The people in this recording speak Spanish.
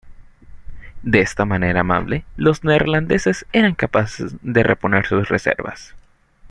De esta manera amable los neerlandeses eran capaces de reponer sus reservas.